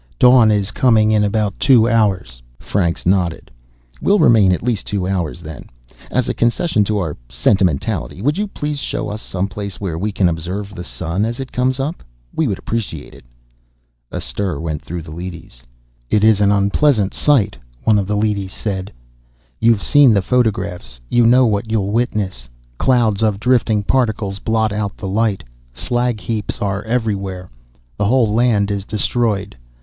"Dawn is coming in about two hours." Franks nodded. "We'll remain at least two hours, then. As a concession to our sentimentality, would you please show us some place where we can observe the Sun as it comes up? We would appreciate it." A stir went through the leadys. "It is an unpleasant sight," one of the leadys said. "You've seen the photographs; you know what you'll witness. Clouds of drifting particles blot out the light, slag heaps are everywhere, the whole land is destroyed.